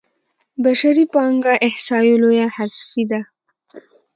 بشري پانګه احصایو لویه حذفي ده.